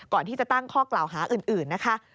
ก่อนที่จะตั้งข้อกล่าวหาอื่นนะคะ